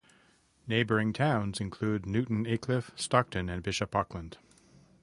Neighbouring towns include Newton Aycliffe, Stockton and Bishop Auckland.